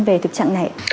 về thực trạng này